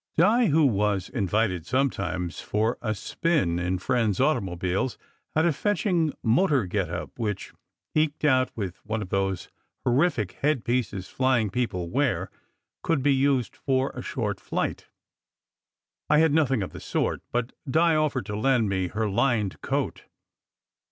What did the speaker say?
Di, who was invited sometimes for a spin in friends auto mobiles, had a fetching motor get up which, eked out with one of those horrific headpieces flying people wear, could be used for a short flight. I had nothing of the sort, but Di offered to lend me her lined coat.